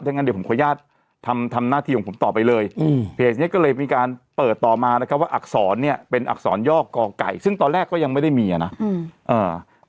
งั้นเดี๋ยวผมขออนุญาตทำทำหน้าที่ของผมต่อไปเลยอืมเพจเนี้ยก็เลยมีการเปิดต่อมานะครับว่าอักษรเนี่ยเป็นอักษรย่อก่อไก่ซึ่งตอนแรกก็ยังไม่ได้มีอ่ะนะอืมอ่า